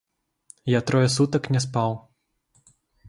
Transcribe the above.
Я трое сутак не спаў.